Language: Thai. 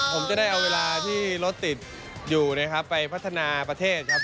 ผมจะได้เอาเวลาที่รถติดอยู่นะครับไปพัฒนาประเทศครับ